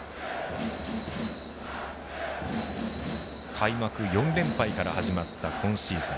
開幕４連敗から始まった今シーズン。